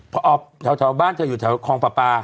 พอแถวบ้านเธออยู่แถวคลองปลาปลา